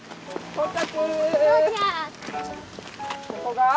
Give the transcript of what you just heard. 到着！